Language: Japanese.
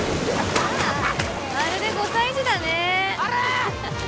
まるで５歳児だね陽！